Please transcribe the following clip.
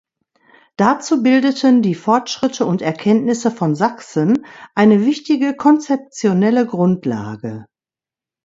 Dazu bildeten die Fortschritte und Erkenntnisse von Sachsen eine wichtige konzeptionelle Grundlage.